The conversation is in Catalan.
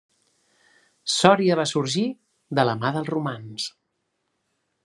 Sòria va sorgir de la mà dels romans.